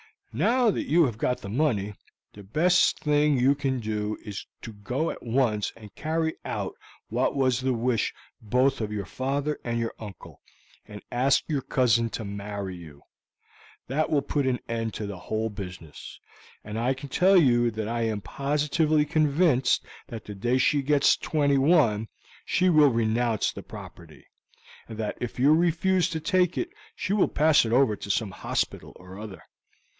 "Now that you have got the money, the best thing you can do is to go at once and carry out what was the wish both of your father and your uncle, and ask your cousin to marry you; that will put an end to the whole business, and I can tell you that I am positively convinced that the day she gets twenty one she will renounce the property, and that if you refuse to take it she will pass it over to some hospital or other.